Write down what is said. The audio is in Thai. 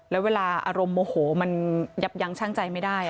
แล้วเวลาอารมณ์โมโหมันยับยั้งช่างใจไม่ได้